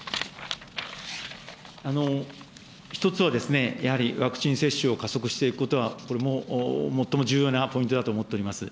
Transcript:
１つは、やはりワクチン接種を加速していくことは、これ、最も重要なポイントだと思っております。